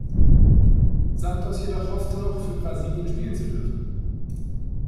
Santos jedoch hoffte noch, für Brasilien spielen zu dürfen.